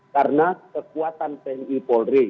karena kekuatan tni polri